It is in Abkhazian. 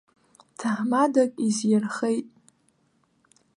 Ҭаҳмадак изирхеит.